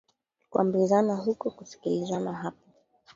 Kuambizana kuko kusikilizana hapana